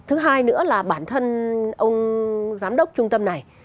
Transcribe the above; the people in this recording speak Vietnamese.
thứ hai nữa là bản thân ông giám đốc trung tâm này